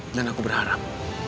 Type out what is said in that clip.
dan aku berharap